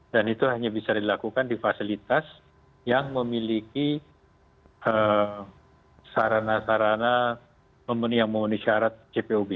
dan itu hanya bisa dilakukan di fasilitas yang memiliki sarana sarana yang memenuhi syarat cpob